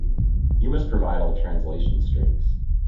you must provide all translation strings